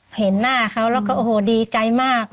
เห็นหน้าเขาแล้วก็โอ้โหดีใจมาก